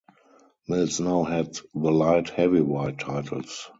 Mills now had the light-heavyweight titles.